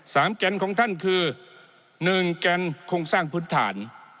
แกนของท่านคือหนึ่งแกนโครงสร้างพื้นฐาน